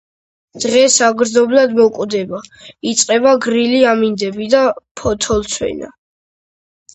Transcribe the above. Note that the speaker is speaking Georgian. დღე საგრძნობლად მოკლდება, იწყება გრილი ამინდები და ფოთოლცვენა.